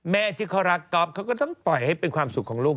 แม่ที่เขารักก๊อฟเขาก็ต้องปล่อยให้เป็นความสุขของลูก